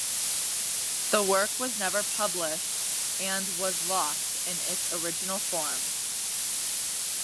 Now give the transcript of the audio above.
The work was never published and was lost in its original form.